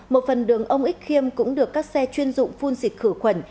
một phần đường ông ích khiêm cũng được các xe chuyên dụng phun xịt khử khuẩn